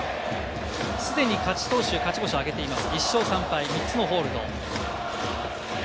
すでに勝ち投手、勝ち星を挙げています。